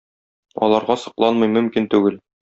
Аларга сокланмый мөмкин түгел.